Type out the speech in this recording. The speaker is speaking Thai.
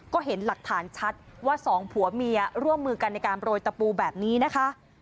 ก็เห็นหลักฐานชัดว่าสองผัวเมียร่วมมือกันในการโรยตะปูแบบนี้นะคะ